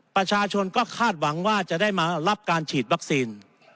ประชาชนก็คาดหวังว่าจะได้มารับการฉีดวัคซีน